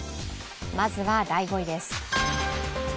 まずは第５位です。